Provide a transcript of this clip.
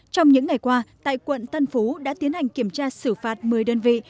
trong những ngày qua tại quận tân phú đã tiến hành kiểm tra xử phạt một mươi đơn vị